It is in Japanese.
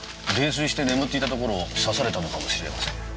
泥酔して眠っていたところを刺されたのかもしれません。